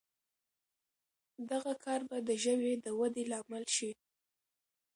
دغه کار به د ژبې د ودې لامل شي.